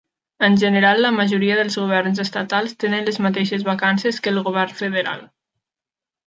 En general, la majoria dels governs estatals tenen les mateixes vacances que el govern federal.